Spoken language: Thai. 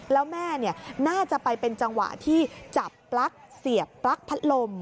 แล้วแม่น่าจะไปเป็นจังหวะที่จับปลั๊กเสียบปลั๊กพัดลม